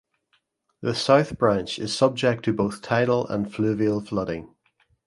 The South Branch is subject to both tidal and fluvial flooding.